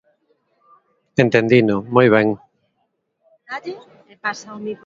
Entendino, moi ben.